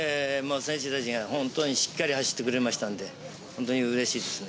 選手たちが本当にしっかり走ってくれましたんで本当に嬉しいですね。